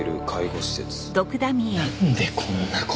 なんでこんな事。